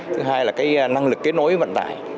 thứ hai là năng lực kết nối vận tải